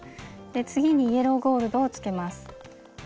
次にイエローゴールドをつけます。